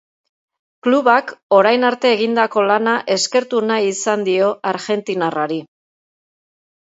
Klubak orain arte egindako lana eskertu nahi izan dio argentinarrari.